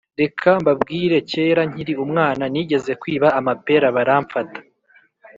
Reka mbabwire kera nkiri umwana nigeze kwiba amapera baramfata